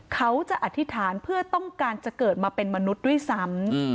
เขาจะอธิษฐานเพื่อต้องการจะเกิดมาเป็นมนุษย์ด้วยซ้ำ